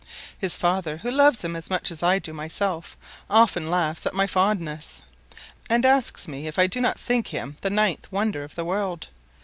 His father, who loves him as much as I do myself; often laughs at my fondness, and asks me if I do not think him the ninth wonder of the world.